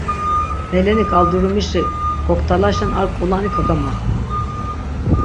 Meleni ǩaldurumişi goktalaşen ar ǩulani kagamaxtu.